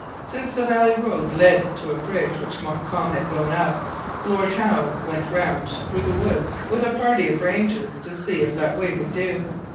Since the valley road led to a bridge which Montcalm had blown up, Lord Howe went round through the woods with a party of rangers to see if that way would do.